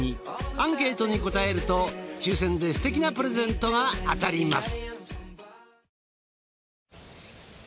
アンケートに答えると抽選ですてきなプレゼントが当たります。